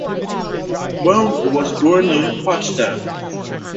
Baum was born in Potsdam.